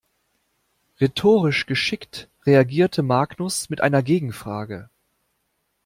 Rhetorisch geschickt reagierte Magnus mit einer Gegenfrage.